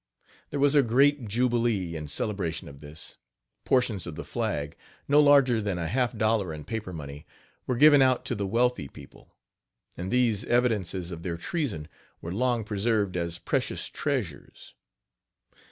There was a great jubilee in celebration of this. Portions of the flag, no larger than a half dollar in paper money, were given out to the wealthy people, and these evidences of their treason were long preserved as precious treasures.